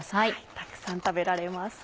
たくさん食べられます。